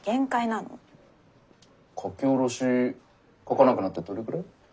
書き下ろし書かなくなってどれくらい？